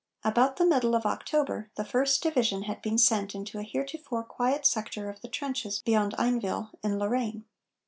About the middle of October, the First division had been sent into a heretofore quiet sector of the trenches beyond Einville, in Lorraine.